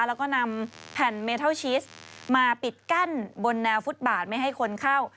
แล้วก็นำแผ่นเมทัลชีสมาปิดกั้นบนแนวฟุตบาทไม่ให้คนเข้า